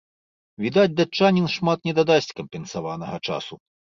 Відаць, датчанін шмат не дадасць кампенсаванага часу.